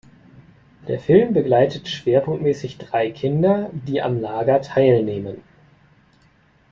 Der Film begleitet schwerpunktmäßig drei Kinder, die am Lager teilnehmen.